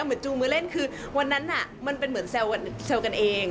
จูงมือเล่นคือวันนั้นมันเป็นเหมือนแซวกันเอง